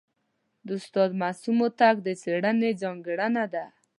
د استاد معصوم هوتک د څېړني ځانګړنه ده.